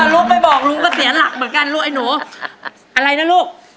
ลูกบอกกันด้วยสิลูก